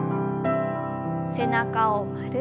背中を丸く。